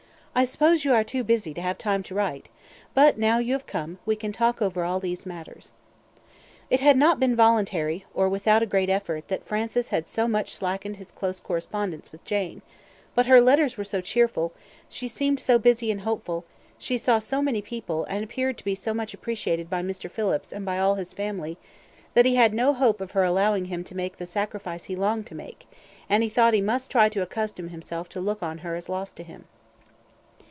I suppose you are too busy to have time to write, but now you have come; we can talk over all these matters." It had not been voluntarily, or without a great effort, that Francis had so much slackened his close correspondence with Jane; but her letters were so cheerful, she seemed so busy and hopeful, she saw so many people, and appeared to be so much appreciated by Mr. Phillips and by all his family, that he had no hope of her allowing him to make the sacrifice he longed to make, and he thought he must try to accustom himself to look on her as lost to him.